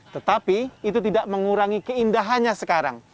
tetapi itu tidak mengurangi keindahannya sekarang